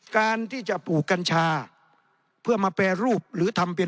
คุณต้องมีองค์กรเฉพาะในประเทศตั้งขึ้น